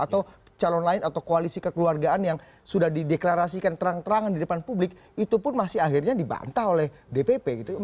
atau calon lain atau koalisi kekeluargaan yang sudah dideklarasikan terang terangan di depan publik itu pun masih akhirnya dibantah oleh dpp gitu